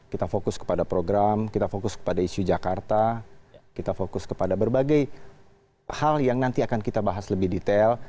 kita fokus kepada program kita fokus kepada isu jakarta kita fokus kepada berbagai hal yang nanti akan kita bahas lebih detail